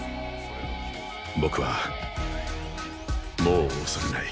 僕はもう恐れない。